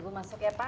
ibu masuk ya pak